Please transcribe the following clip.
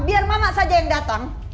biar mama saja yang datang